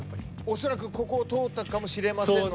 おそらくここを通ったかもしれませんので。